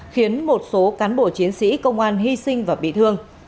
khiến một số cán bộ chiến sĩ công an hy sinh và bị thương